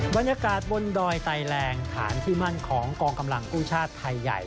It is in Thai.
บรรยากาศบนดอยไตแรงฐานที่มั่นของกองกำลังกู้ชาติไทยใหญ่